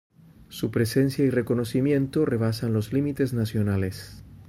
Su presencia y reconocimiento rebasan los límites nacionales.